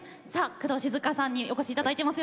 工藤静香さんにお越し頂いてます。